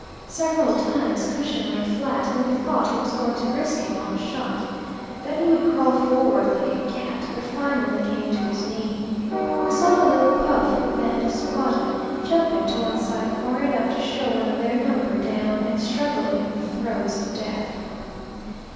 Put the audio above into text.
Several times Cushion lay flat, and we thought he was going to risk a long shot. Then he would crawl forward like a cat, but finally came to his knee. We saw the little puff, the band squatted, jumping to one side far enough to show one of their number down and struggling in the throes of death.